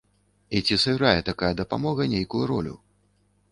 І ці сыграе такая дапамога нейкую ролю?